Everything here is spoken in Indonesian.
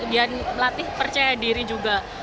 dia melatih percaya diri juga